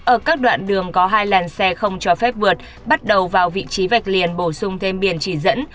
ở các đoạn đường có hai làn xe không cho phép vượt bắt đầu vào vị trí vạch liền bổ sung thêm biển chỉ dẫn